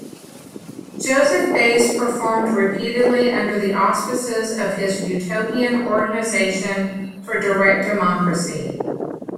Joseph Beuys performed repeatedly under the auspices of his utopian Organization for Direct Democracy.